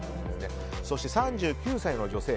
そして３９歳の女性。